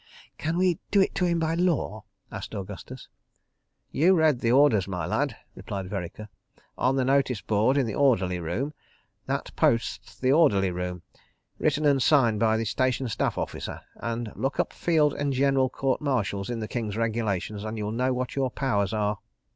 '" "Can we do it to him by law?" asked Augustus. "You read the Orders, my lad," replied Vereker. "On the notice board in the Orderly Room. That post's the Orderly Room. Written and signed by the Station Staff Officer. And look up Field and General Court Martials in the King's Regulations and you'll know what your Powers are."